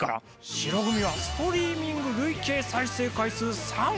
白組はストリーミング累計再生回数３億回を突破！